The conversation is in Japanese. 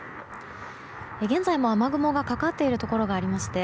現在も雨雲がかかっているところがありまして